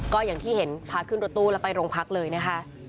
ก็อย่างที่เห็นพาขึ้นรถตู้แล้วไปโรงพักเลยนะคะ